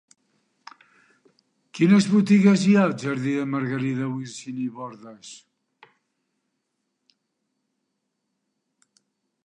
Quines botigues hi ha al jardí de Margarita Wirsing i Bordas?